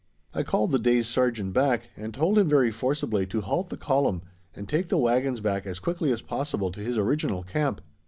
I called the dazed sergeant back and told him very forcibly to halt the column and take the wagons back as quickly as possible to his original camp.